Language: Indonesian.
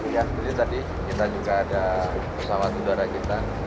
jadi tadi kita juga ada pesawat udara kita